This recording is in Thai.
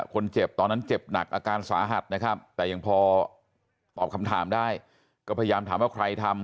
คนเจ็บตอนนั้นเจ็บหนักอาการสาหัสนะครับแต่ยังพอตอบคำถามได้ก็พยายามถามว่าใครทำ